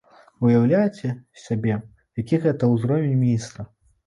Уяўляеце сабе, які гэта ўзровень міністра!